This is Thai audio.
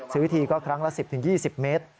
ทีก็ครั้งละ๑๐๒๐เมตร